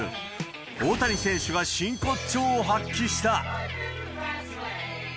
大谷選手は真骨頂を発揮した。